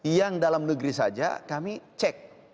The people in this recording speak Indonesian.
yang dalam negeri saja kami cek